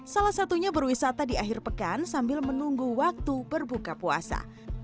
salah satunya berwisata di akhir pekan sambil menunggu waktu berbuka puasa